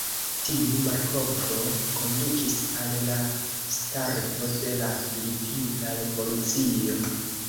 Tiu malkovro kondukis al la starto de la Filipina Revolucio.